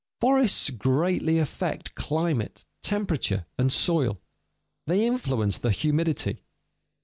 Forests greatly affect climate, temperature, and soil; they influence the humidity.